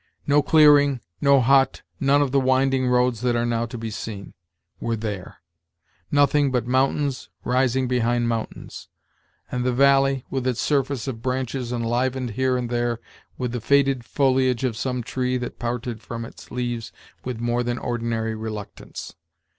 No clearing, no hut, none of the winding roads that are now to be seen, were there; nothing but mountains rising behind mountains; and the valley, with its surface of branches enlivened here and there with the faded foliage of some tree that parted from its leaves with more than ordinary reluctance.